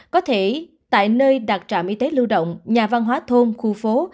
có thể tại nơi đặt trạm y tế lưu động nhà văn hóa thôn khu phố